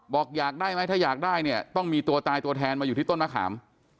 อยากได้ไหมถ้าอยากได้เนี่ยต้องมีตัวตายตัวแทนมาอยู่ที่ต้นมะขาม